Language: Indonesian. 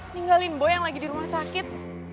ninggalin boy yang lagi di rumah sakit